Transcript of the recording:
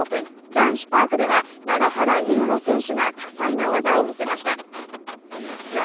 男子パークでは永原悠路選手が多彩な技を見せました。